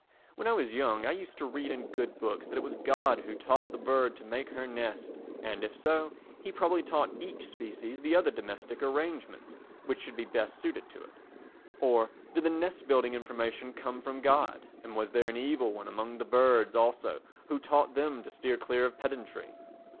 When I was young I used to read in good books that it was God who taught the bird to make her nest, and, if so, He probably taught each species the other domestic arrangements which should be best suited to it. Or did the nest building information come from God and was there an Evil One among the birds also who taught them to steer clear of pedantry?